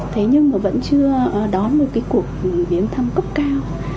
thế nhưng mà vẫn chưa đón một cái cuộc viếng thăm cấp cao